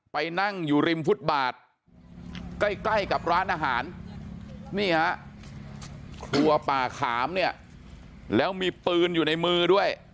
ไปนั่งอยู่ริมฟุตบาทใกล้กับร้านอาหารครัวป่าขามแล้วมีปืนอยู่ในมือด้วย